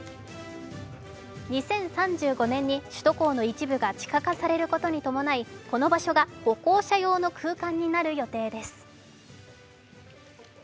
２０３５年に首都高の一部が地下化されることに伴いこの場所が歩行者用の空間になる予定です。